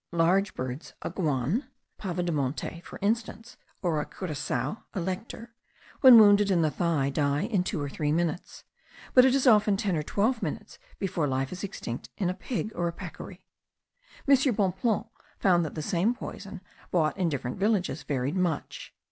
Large birds, a guan (pava de monte) for instance, or a curassao (alector), when wounded in the thigh, die in two or three minutes; but it is often ten or twelve minutes before life is extinct in a pig or a peccary. M. Bonpland found that the same poison, bought in different villages, varied much.